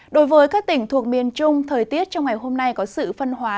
đối với các tỉnh thuộc miền trung thời tiết trong ngày hôm nay có sự phân hóa